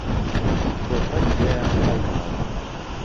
کۆپەک لێيان ههڵداوه